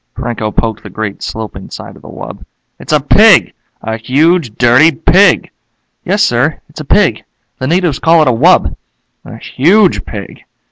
Franco poked the great sloping side of the wub. "It's a pig! A huge dirty pig!" "Yes sir, it's a pig. The natives call it a wub." "A huge pig.